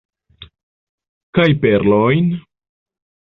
Kaj perlojn.